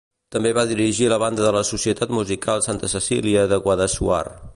També va dirigir la banda de la Societat Musical Santa Cecília de Guadassuar.